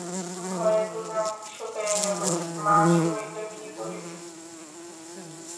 ভয়ে দুর্গার মুখ শুকাইয়া গেল-মা শুনিলে কি বলিবে!